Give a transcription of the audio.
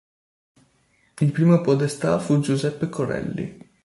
Il primo podestà fu Giuseppe Corelli.